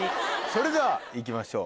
それではいきましょう。